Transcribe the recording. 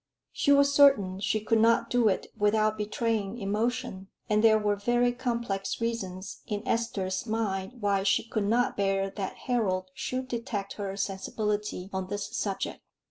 She was certain she could not do it without betraying emotion, and there were very complex reasons in Esther's mind why she could not bear that Harold should detect her sensibility on this subject.